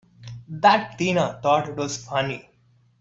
That Tina thought it was funny!